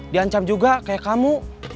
diancam juga kayak kamu